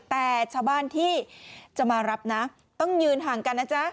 แต่ชาวบ้านที่จะมารับนะต้องยืนห่างกันนะจ๊ะ